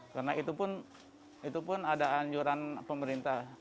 karena itu pun ada anjuran pemerintah